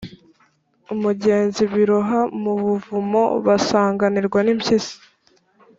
umugezi, biroha mu buvumo, basanganirwa n’impyisi.”